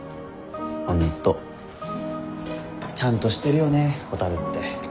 本当ちゃんとしてるよねほたるって。